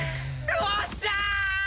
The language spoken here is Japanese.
おっしゃ！